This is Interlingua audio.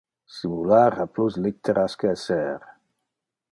Simular ha plus litteras que esser.